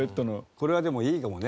これはでもいいかもね。